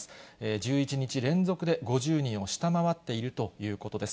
１１日連続で５０人を下回っているということです。